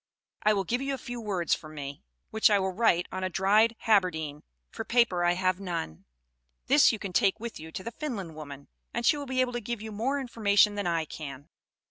I will give you a few words from me, which I will write on a dried haberdine, for paper I have none; this you can take with you to the Finland woman, and she will be able to give you more information than I can."